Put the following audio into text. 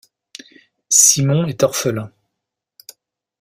Simon est orphelin.